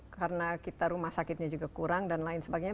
karena kita rumah sakitnya juga kurang dan lain sebagainya